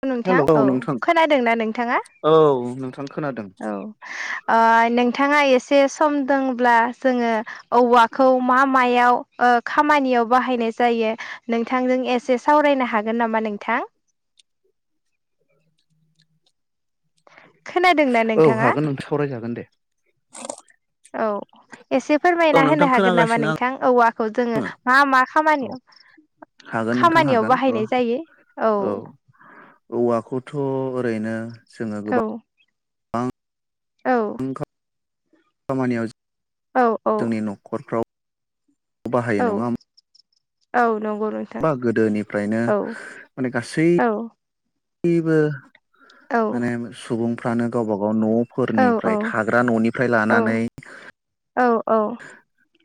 औ नोंथां हेलौ औ नोंथां खोनादोंना नोंथाङा? औ नोंथां खोनादों औ ओ नोंथाङा एस से सम दंब्ला जोङो औवाखौ मा मायाव ओ खामानियाव बाहायनाय जायो नोंथांजों एसे सावरायनो हागोन नामा नोंथां [inaudible] खोनादोंना औ नोंथाङा हागोन नोंथां सावरायजागोन दे औ एसे औ फोरमायना नोंथां होनो हागोन नामा खोनागासिनो आं नोंथां औवाखौ जोङो मा मा औ खामानियाव। हागोन नोंथां खामानियाव हागोन बाहायनाय जायो औ। औवखौथ। ओरैनो जोङो औ गोबां बां। औ। खामानियाव औ औ जोंनि न'खरफ्राव। औ बाहायो नङा होम औ नंगौ नोंथां गोदोनिफ्रायनो औ औ। बो औ माने सुबुंफ्रानो गावबा गाव न'आव। औ फोरनिफ्राय औ थाग्रा न'निफ्राय लानानै। औ औ।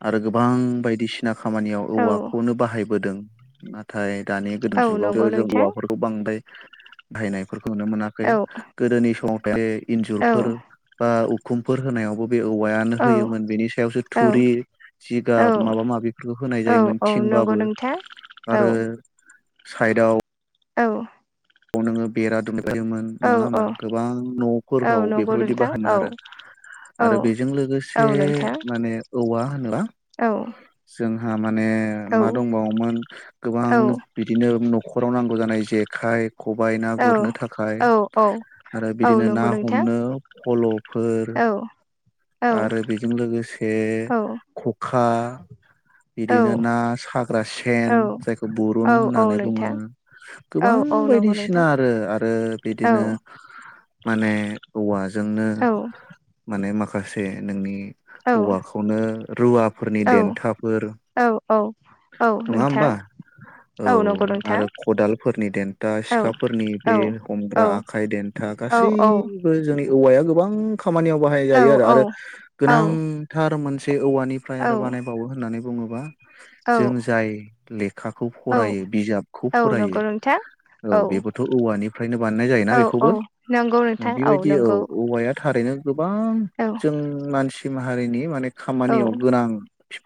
आरो गोबां बायदिसिना खामानियाव औ औवाखौनो बाहायबोदों नाथाय। दानि गोदान औ जुगावथ नंगौ जों नोंथां औवाफोरखौ बांद्राय बाहायनाय। फोरखौ नुनो औ मोनाखै गोदोनि समाव औ इन्जुरफोर बा उखुमफोर होनायावबो। बे औवायानो औ होयोमोन बेनि सायावसो। औ थुरि जिगाब औ माबा माबिफोरखौ होनाय औ जायोमोन औ नंगौ थिंबाबो। नोंथां औ आरो साइदाव। औ। नोङो बेरा दु योमोन औ नङा औ होमबा गोबां औ न'फोराव नंगौ बेफोरबायदि नोंथां बाहायोमोन औ आरो। औ आरो बेजों औ लोगोसे नोंथां माने औवा होनोबा औ जों माने मा औ दंबावोमोन गोबां औ बिदिनो न'खराव नांगौ जानाय जेखाइ खबाइ ना गुरनो औ थाखाय औ औ आरो औ बिदिनो ना नंगौ नोंथां हमनो फल'फोर औ औ आरो बेजों लोगोसे औ खखा बिदिनो ना सा ग्रा सेन जायखौ औ बरुन होननानै बुङो नोंथां गोबां औ औ नंगौ बायदिसिना नोंथां आरो आरो औ बिदिनो माने औवाजोंनो औ माने माखासे नोंनि औ औवाखौनो रुवाफोरनि औ देन्था। औ औ औ नोंथां। होमबा औ नंगौ नोंथां आरो खदालफोरनि देन्था औ सिखाफोरनि औ बे हमग्रा औ आखाइ देन्था। औ औ गासैबो जोंनि औवाया गोबां। गोबां खामानियाव बाहाय जायो औ आरो आरो औ औ गोनांथार मोनसे औवानिफ्राय आरो औ बानायबावो। होननानै बुङोबा। जों औ जाय लेखाखौ औ फरायो बिजाबखौ औ फरायो। नंगौ नोंथां औ बेबोथ' औवानिफ्रायनो बानायनाय जायोना औ बेखौबो औ नंगौ नोंथां बेबायदि औ नंगौ औवाया थारैनो। गोबां औ जों मानसि माहारिनि माने औ खामानियाव गोनां।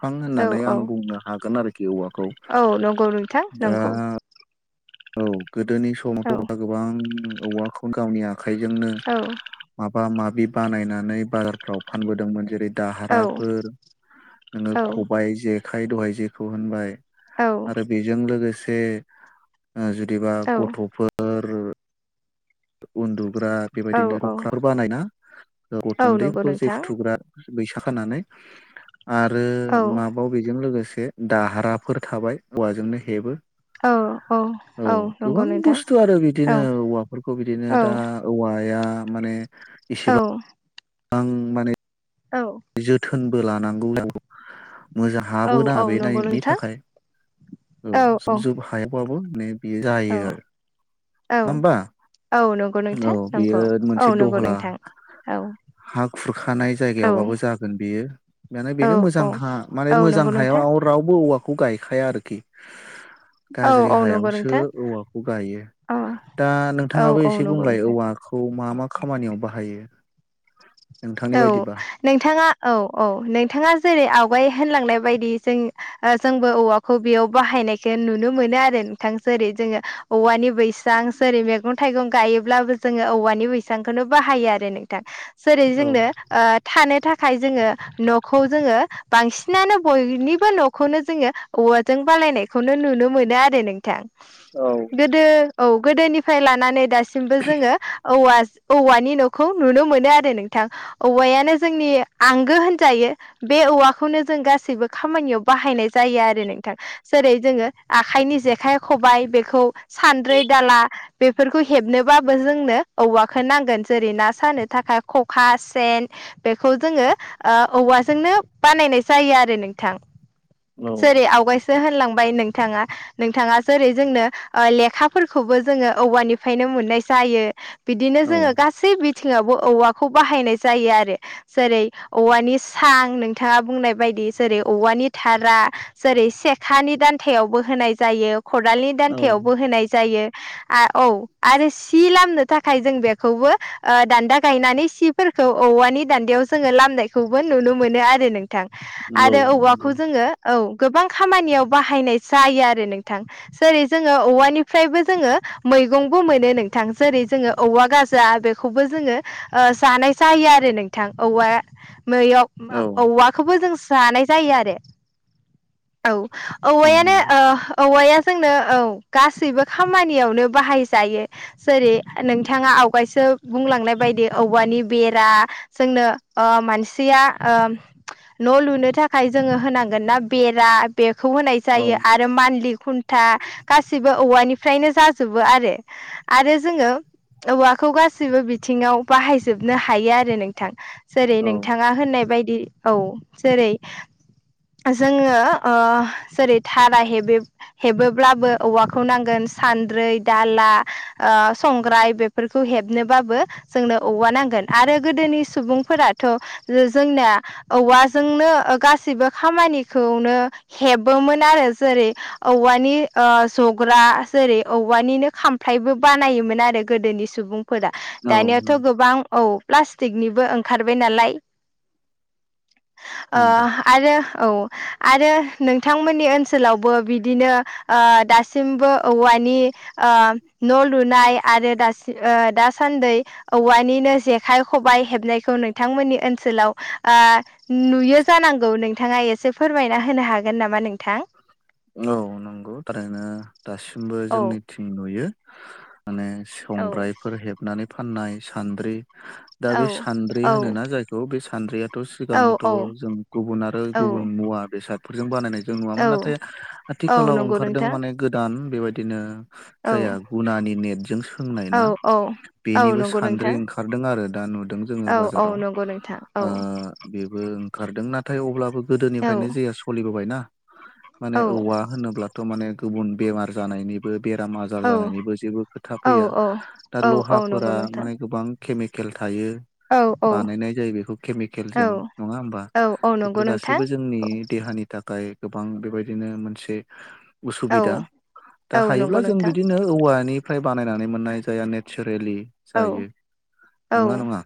बिफां औ होननानै औ आं बुंनो हागोन आरोखि औवाखौ औ नंगौ नोंथां दा। नंगौ गोदोनि औ समावथ' [unintelligible] गोबां औवाखौ गावनि आखाइजोंनो औ माबा माब बि बानायनानै बाजारफ्राव फानबोदोंमोन जेरै औ दाहाराफोर नोङो खबाइ जेखाइ दहाय जेखौ होनबाय औ आरो बेजों लोगोसे जुदिबा औ गथ'फोर उन्दु फुग्रा औ बेबायदिनो औ गख्राफोर बानायना औ नंगौ गथन्दैफोरखौ जे नोंथां फुथुग्रा बैसा खानानै आरो औ माबायाव बेजों लोगोसे दाहाराफोर थाबाय औवाजोंनो हेबो औ औ औ नंगौ गोबां नोंथां बुस्थु आरो औ बिदिनो औवा खौ बिदिनो औ दा औवाया माने औ। गोबां माने औ जोथोनबो लानांगौ। मोजां औ हाबोना नंगौ बेनि नोंथां थाखाय औ जुब जुब हायावबाबो बेयो औ जायो आरो औ नङा होमबा औ नंगौ नोंथां औ नंगौ बेयो औ मोनसे नंगौ दहला नोंथां औ हा खुरखानाय औ जायगायावबाबो जागोन बेयो माने औ बेनो औ मोजां हा माने औ मोजां नंगौ नोंथां हायाव रावबो औवा खौ गायखाया आरोखि औ गाज्रि औ नंगौ हायावसो नोंथां औवाखौ गायो। औ दा औ नोंथाङाबो औ एसे नंगौ बुंलाय नोंथां औवाखौ मा मा खामानियाव बाहायो? नोंथांनि औ बायदिबा नोंथाङा औ औ नोंथाङा जेरै आवगाय होनलांनाय बायदि जों ओ जोंबो औवाखौ बेयाव बाहायनायखो नुनो मोनो आरो नोंथांसो जेरै जोङो औवानि बैसां जेरै मैगं थाइगं गायोब्लाबो जोङो औवानि बैसांखौनो बाहायो आरो नोंथां। जेरै औ जोंनो थानो था खाय जोङो न'खौ जोङो बांसिनानो बयनिबो न'खौनो जोङो औवाजों बा सालायनायखौनो नुनो मोनो आरो नोंथां औ गोदो औ गोदोनिफ्राय लानानै दासिमबो जोङो औवा औवानि न'खौ नुनो मोनो आरो नों औवायानो जोंनि आंगो होनजायो बे औवाखौनो जों गासैबो खामानियाव बाहायनाय जायो आरो नोंथां जेरै जोङो आखाइनि जेखाइ खबाइ बेखौ सानद्रै दाला बेफोरखौ हेबनोबाबो जोंनो औवाखौ नांगोन जेरै ना सानो थाखाय ख खखा, सेन बेखौ जोङो औवाजोंनो बानायनाय जायो आरो नोंथां औ जेरै आवगायसो होनलांबाय नों नोंथाङा नोंथाङा जेरै जोंनो लेखाफोरखौबो जोङो औवानिफ्रायनो मोननाय जायो। बिदिनो जोङो औ गासै बिथिङावबो औवा खौ बाहायनाय जायो आरो जेरै औवानि सां, नोंथाङा बुंनाय बायदि जेरै औवानि नि थारा जेरै सेखानि दान्थायावबो होनाय जायो खदालनि दान्थायावबो होनाय जायो आ औ आरो सि लामनो थाखाय जों बेखौबो दान्दा गायनानै सिफोरखौ औवानि दान्दायाव जोङो लामनायखौबो नुनो मोनो आरो नों थां आरो औवाखौ जोङो औ गोबां खामानियाव बाहायनाय जायो आरो नोंथां जेरै जोङो औवानिफ्रायबो जोङो मै मैगंबो मोनो नोंथां जेरै जोङो औवा गाजा बेखौबो जोङो ओ जानाय जायो आरो नोंथां औवा मैयाव औ औवाखौबो जों जानाय जायो आरो औ औवायानो नंगौ औ नंगौ ओ औवाया जोंनो औ गासैबो खामानियावनो बाहायजायो जेरै नोंथाङा आवगायसो बुंलांनाय बायदि औवानि बेरा जोंनो ओ मानसिया ओ न' लुनो थाखाय जोङो होनांगोन ना बेरा बे खौ होनाय औ जायो आरो मानलि खुन्था गासैबो औवानि फ्रायनो जाजो जोबो आरो आरो जोङो औवाखौ गासिबो बिथिङाव बाहायजोबनो हायो आरो नोंथां जेरै औ नोंथाङा होननाय बाय दि औ जेरै जोङो ओ जेरै घारा हेबोब्लाबो औवाखौ नांगोन सान्द्रै, दाला, संग्राय बेफोरखौ हेबनोबाबो जोंनो औवा नांगोन आरो गोदोनि सुबुंफोराथ' जोंनिया औवाजोंनो गासैबो खामानिखौनो हेबोमोन आरो जेरै औवानि ओ ज जग्रा जेरै औवानिनो खामफ्लायबो बानायोमोन आरो गोदोनि सुबुंफोरा। दानियाथ' नंगौ गोबां औ प्लास्टिकनिबो ओंखारबाय नालाय ओ नंगौ आरो औ आरो नोंथांमोननि ओनसोलावबो बिदिनो ओ दासिमबो औवानि। ओ न' लुनाय आरो दासि ओ दासान्दै औवानिनो जेखाइ खबाय हेबनायखौ नोंथांमोननि ओनसोलाव ओ नुयो जानांगौ नोंथाङा एसे फोरमायना होनो हागोन नामा नों औ नंगौ थारैनो दासिमबो औ जोंनिथिं नुयो माने औ संग्रायफोर हेबनानै फाननाय सान्द्रि दा औ बे सान्द्रि औ होनोना जायखौ बे सान्द्रिया थ' सिगांथ' औ जों गुबुन आरो औ गुबुन मुवा बेसादफोरजों बानायनाय जों औ नुवामोन नाथाय औ आथिखालाव नंगौ ओंखारदों नोंथां माने गोदान बेबायदिनो औ जाया गुनानि नेटजों सोंनाय औ ना औ औ बेनिबो नंगौ सान्द्रि नोंथां ओंखारदों आरो दा नुदों जोंङो औ औ बाजाराव नंगौ नोंथां औ ओ बेबो ओंखारदों ना थाय अब्लाबो औ गोदोनिफ्रायनो जे सोलिबोबायना माने औ औवा होनोब्लाथ' माने गुबुन बेमार जानायनिबो बेराम आजार औ जानायनिबो जेबो खोथा औ फैया दा औ औ नंगौ लहाफोरा नोंथां माने गोबां केमिकेल थायो औ औ बानायनाय जायो बेखौ औ केमिकेलजों नङा होमबा औ औ नंगौ बेफोर नोंथां गासैबो जोंनि देहानि थाखाय गोबां बेबायदिनो मोनसे औ उसुबिदा दा औ नंगौ हायोब्ला जों नोंथां बिदिनो औवानिफ्राय बानायनानै मोननाय जाया नेचारेलि औ जायो औ नंगौना नङा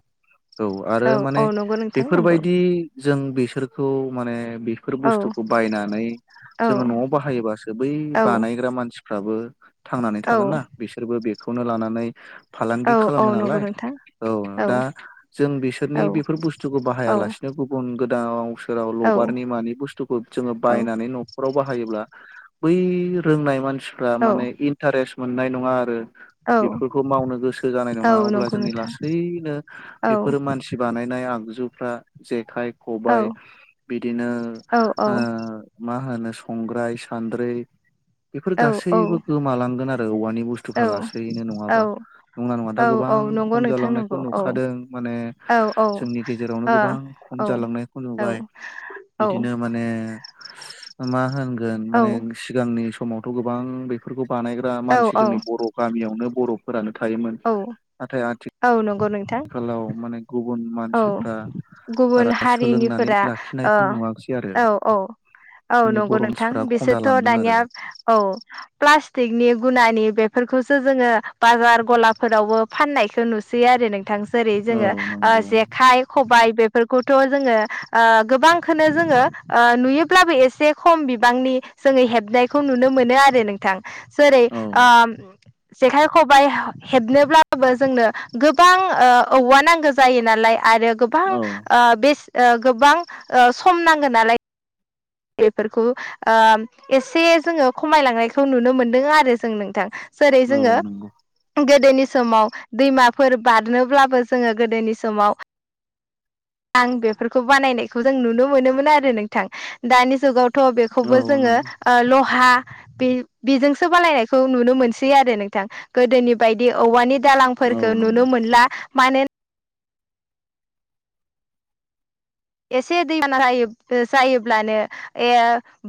औ आरो औ माने नंगौ नोंथां नंगौ बेफोरबायदि जों बिसोरखौ माने बेफोर औ बुस्थुखौ बायना नै औ जोंङो न'आव बाहायोबासो बै औ बानायग्रा मानसिफ्राबो थांनानै थागोन औ ना बिसोरबो बेखौनो लानानै औ फालांगि औ खालामो नंगौ नालाय नोंथां औ दा जों औ बिसोरनि बेफोर बुस्थुखौ औ बाहायालासिनो गुबुन गोदाव सोराव लबारनि मानि बुस्थुखौ जोंङो बायनानै न'खराव बाहायोब्ला बै रोंनाय मानसिफ्रा औ माने इन्टारेस्ट मोननाय नंङा आरो औ बेफोरखौ मावनो गोसो जानाय नङा औ अब्ला नंगौ जोंनि नोंथां लासैनो औ बेफोरो मानसि बानायनाय आगजुफ्रा जेखाय औ खबाइ औ बिदिनो मा होनो संग्राय सान्द्रै औ बेफोर गासैबो गोमालांगोन आरो औवानि बुस्थुफ्रा लासैनो औ औ नङाबा नंगोना नङा दा औ गोबां खम नंगौ नोंथां जालांनायखौ नंगौ औ नुखादों माने औ जोंनि गेजेरावनो गोबां खम जालांनायखौ नुबाय बिदिनो औ माने मा औ होनगोन माने सिगांनि समावथ' गोबां बेफोरखौ बानायग्रा औ मानसि जोंनि बर' गामियावनो बर'फोरानो थायोमोन औ औ नाथाय आथि औ नंगौ नोंथां खालाव माने गुबुन औ मानसिफ्रा गुबुन बारा सोलोंनानै हारिनिफोरा ओ लाखिनायखौ नुवाखिसै आरो औ औ औ जोंनि नंगौ बर' नोंथां मानसिफ्रा खम बिसोरथ' जालांदों आरो दानिया औ प्लास्टिकनि गुनानि बेफोरखौसो जोंङो बाजार गलाफोरावबो फाननायखौ नुसैयो आरो नोंथां जेरै औ जोंङो नंगौ जेखाइ खबाय बेफोरखौथ' जोंङो ओ गोबांखौनो जोंङो नुयोब्लाबो एसे खम बिबांनि जोंङो हेबनायखौ नुनो मोनो आरो नोंथां जेरै औ ओ जेखाइ खबाइ हेबनोब्लाबो जोंनो गोबां औवा नांगौ जायो नालाय आरो गोबां औ ओ बेसे ओ गोबां सम नांगौ नालाय बेफोरखौ ओ एसे जोंङो खमायलांनायखौ नुनो मोनदों आरो जों नोंथां जेरै औ जोंङो नंगौ गो दोनि समाव दैमाफोर बारनोब्लाबो जोंङो गोदोनि समाव आं बेफोरखौ बानायनायखौ जों नुनो मोनोमोन आरो नोंथां। दानि जुगावथ' बेखौबो औ जोंङो नंगौ ओ ल' हा बेजोंसो बालायनायखौ नुनो मोनसै आरो नोंथां गोदोनि बायदि औवानि औ दालांफोरखो नंगौ नुनो मोनला मानो एसे दैबाना जायो-जायोब्लानो ए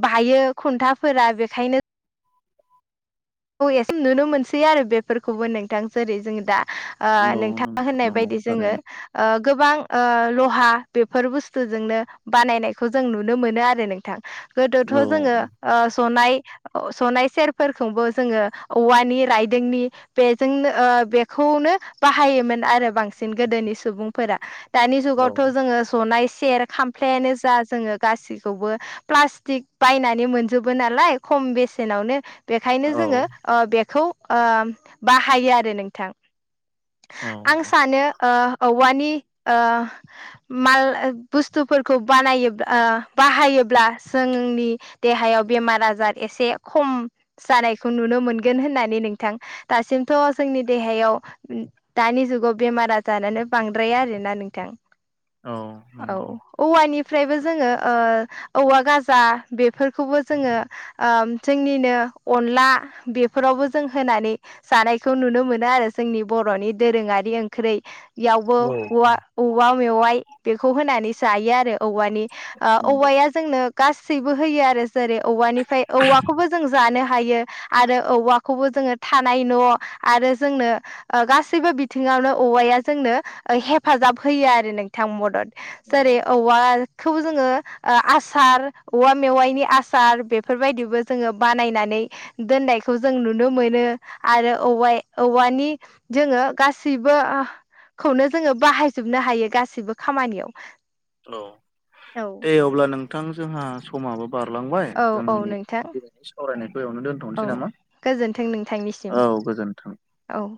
बायो खुन्थाफोरा बे खायनो औ एसेम नुनो मोनसै आरो बेफोरखौबो नोंथां जेरै जों दा ओ औ नोंथाङा नोंथां होननाय नंगौ बायदि जोङो थारैनो ओ गोबां ओ लहा बेफोर बुस्थुजोंनो बानायनायखौ जों नुनो मोनो आरो नोंथां गोदोथ' औ जोङो ओ जनाय जनाय सेरफोरखौबो जोङो औवानि रायदोंनि बेजोंनो ओ बेखौनो बाहायोमोन आरो बांस बांसिन गोदोनि सुबुंफोरा दानि औ जुगावथ' जोङो जनाय सेर खामफ्लायानो जा जोङो गासैखौबो प्लास्टिक बायनानै मोनजोबो नालाय ख खम बेसेनावनो बे औ जोङो ओ बेखौ ओ बाहायो आरो नोंथां आं औ सानो ओ औवानि ओ माल बुस्थुफोरखौ बानायोब्ल बाहायोब्ला जोंनि देहायाव बेमार आजार एसे खम जानाय नुनो मोनगोन होननानै नोंथां दासिमथ' जोंनि देहायाव दानि जुगाव बेमार आजारानो बांद्राय आरोना नोंथां औ औ नंगौ औवानि फ्रायबो जोङो ओ औवा गाजा बेफोरखौबो जोङो ओ जोंनिनो अनला बेफोरावबो जों होनानै जानायखौ नुनो मोनो आरो जोंनि बर'नि दोरोङारि ओंख्रै बेयावबो औ औवा औवा मेवाइ बेखौ होनानै जायो आरो औवा ओ नंगौ औया जोंनो गासैबो होयो आरो जेरै औवानिफ्राय औवाखौबो जों जानो ह हायो आरो औवाखौबो जोङो थानाय न' आरो जोंनो ओ गासैबो बिथिङावनो औवाय जोंनो हेफाजाब होयो आरो नोंथां मदद औ जेरै औवा खौबो जोङो ओ आसार औवा मेवाइनि आसार बेफोरबायदिबो जोङो बानायनानै दोननायखौ जों नुनो मोनो आरो औवा औवानि जोङो गासैबो खौनो जोङो बाहायजोबनो हायो गासिबो खामानियाव। औ औ दे अब्ला नोंथां जोंहा समाबो बारलांबाय औ औ जोंनि नोंथां बि सावरायनायखौ एवावनो औ दोनथ'नोसै नामा गोजोन्थों नोंथांनिसिम औ गोजोनथों औ